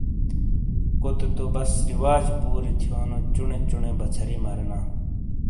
کوتے تو بس رواجی پوری تھینو چونے چونے بچھری مرینا۔